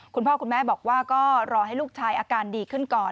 คุณพ่อคุณแม่บอกว่าก็รอให้ลูกชายอาการดีขึ้นก่อน